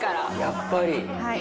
やっぱり。